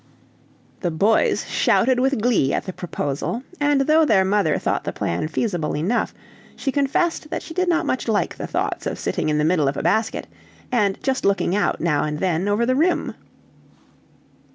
The boys shouted with glee at the proposal, and though their mother thought the plan feasible enough, she confessed that she did not much like the thoughts of sitting in the middle of a basket, and just looking out now and then over the rim.